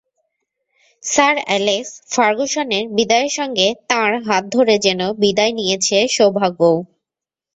Sir Alex ফার্গুসনের বিদায়ের সঙ্গে তাঁর হাত ধরে যেন বিদায় নিয়েছে সৌভাগ্যও।